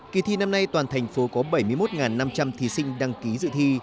kỳ thi năm nay toàn thành phố có bảy mươi một năm trăm linh thí sinh đăng ký dự thi